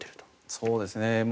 そうですね。